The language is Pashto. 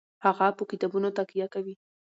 هغه په کتابونو تکیه کوي.